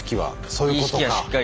そういうことか。